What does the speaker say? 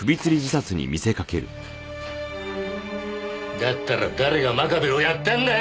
だったら誰が真壁をやったんだよ！